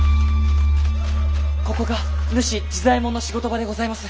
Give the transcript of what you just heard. ここが塗師・治左衛門の仕事場でございます。